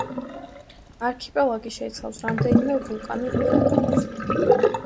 არქიპელაგი შეიცავს რამდენიმე ვულკანურ კუნძულს.